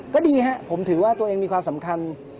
ก็ดีครับผมถือว่าตัวเองมีความสำคัญ